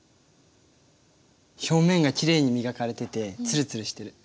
表面がきれいに磨かれててつるつるしてる。